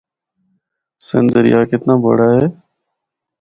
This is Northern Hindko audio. سندھ دریا کتنا بڑا ہے۔